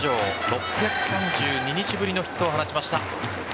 ６３２日ぶりのヒットを放ちました。